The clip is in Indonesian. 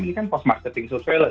ini kan post marketing surveillance